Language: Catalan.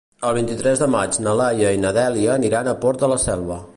El vint-i-tres de maig na Laia i na Dèlia aniran al Port de la Selva.